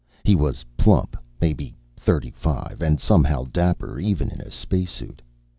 He was plump, maybe thirty five, and somehow dapper even in a spacesuit.